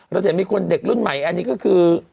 จะเห็นมีคนเด็กรุ่นใหม่อันนี้ก็คือ